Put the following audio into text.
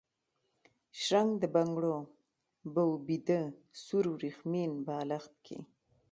شرنګ د بنګړو، به و بیده سور وریښمین بالښت کي